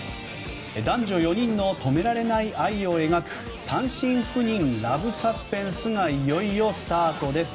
男女４人の止められない愛を描く単身赴任ラブサスペンスがいよいよスタートです。